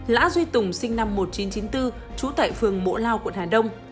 lã duy tùng sinh năm một nghìn chín trăm chín mươi bốn trú tại phường mỗ lao quận hà đông